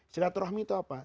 silaturrohmi itu apa